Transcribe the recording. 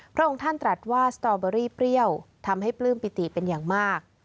พระองค์ท่านตรัสว่าสตอเบอรี่เปรี้ยวทำให้ปลื้มปิติเป็นอย่างมาก